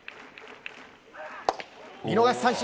見逃し三振。